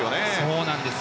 そうなんです。